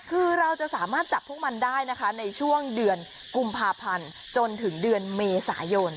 คือเราจะสามารถจับพวกมันได้นะคะในช่วงเดือนกุมภาพันธ์จนถึงเดือนเมษายน